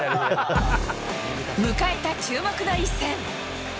迎えた注目の一戦。